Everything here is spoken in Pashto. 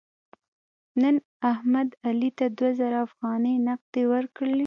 نن احمد علي ته دوه زره افغانۍ نغدې ورکړلې.